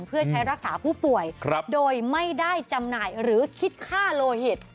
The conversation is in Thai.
เพื่อใช้รักษาผู้ป่วยโดยไม่ได้จำหน่ายหรือคิดค่าโลหิต